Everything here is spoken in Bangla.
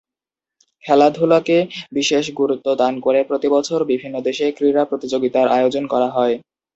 খেলাধুলাকে বিশেষ গুরুত্ব দান করে প্রতিবছর বিভিন্ন দেশে ক্রীড়া প্রতিযোগিতার আয়োজন করা হয়।